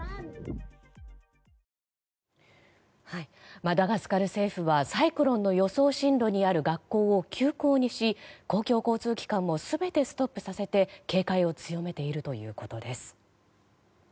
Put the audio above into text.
マダガスカル政府はサイクロンの予想進路にある学校を休校にし公共交通機関を全てストップさせて警戒を強めているということです。